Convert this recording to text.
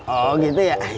oh gitu ya